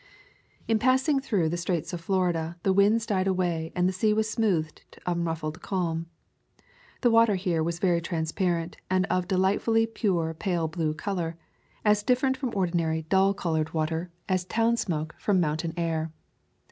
In passing through the Straits of Florida the winds died away and the sea was smoothed to unruffled calm. The water here is very trans parent and of delightfully pure pale blue color, as different from ordinary dull colored water [ 180 } To California as town smoke from mountain air.